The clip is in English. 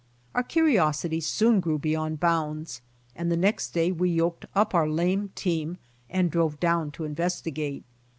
Our curiosity soon grew beyond bounds and the next day we yoked up our lame team and drove down to investigate.